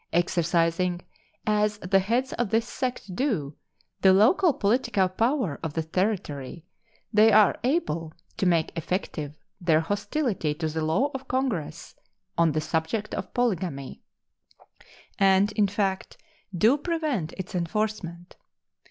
Exercising, as the heads of this sect do, the local political power of the Territory, they are able to make effective their hostility to the law of Congress on the subject of polygamy, and, in fact, do prevent its enforcement.